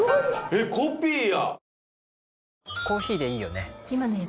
えっコピーや！